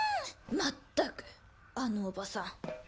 まったくあのおばさん！